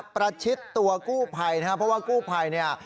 ประชิดตัวกู้ภัยนะครับเพราะว่ากู้ภัยเนี่ย